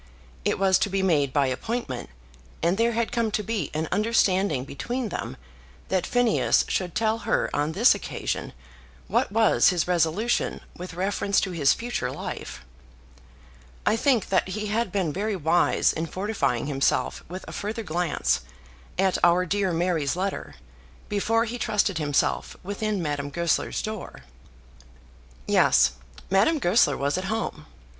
It was to be made by appointment, and there had come to be an understanding between them that Phineas should tell her on this occasion what was his resolution with reference to his future life. I think that he had been very wise in fortifying himself with a further glance at our dear Mary's letter, before he trusted himself within Madame Goesler's door. Yes; Madame Goesler was at home.